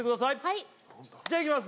はいじゃあいきます